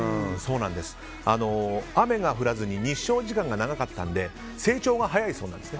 雨が降らずに日照時間が長かったので成長が早いそうです。